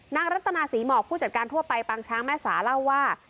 รัตนาศรีหมอกผู้จัดการทั่วไปปางช้างแม่สาเล่าว่า